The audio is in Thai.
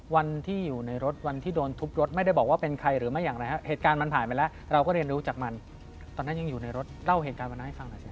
วันที่อยู่ในรถวันที่โดนทุบรถไม่ได้บอกว่าเป็นใครหรือไม่อย่างไรฮะเหตุการณ์มันผ่านไปแล้วเราก็เรียนรู้จากมันตอนนั้นยังอยู่ในรถเล่าเหตุการณ์วันนั้นให้ฟังหน่อยสิ